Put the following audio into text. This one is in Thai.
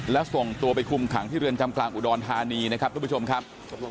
แล้วส่งตัวไปคุมขังที่เรือนจำกลางอุดรธานีนะครับทุกผู้ชมครับ